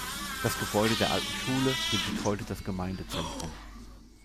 Das Gebäude der "Alten Schule" bildet heute das Gemeindezentrum.